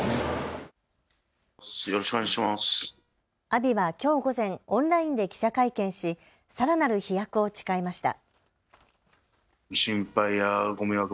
阿炎はきょう午前、オンラインで記者会見しさらなる飛躍を誓いました。